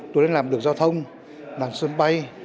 tụi nó làm đường giao thông làm sân bay